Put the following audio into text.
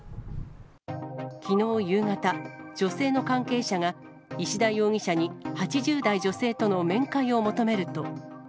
きのう夕方、女性の関係者が、石田容疑者に８０代女性との面会を求めると。